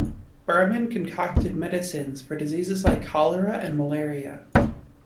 Burman concocted medicines for diseases like cholera and malaria.